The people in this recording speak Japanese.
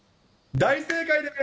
大正解です。